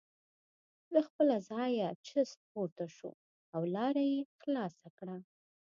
له خپله ځایه چست پورته شو او لاره یې خلاصه کړه.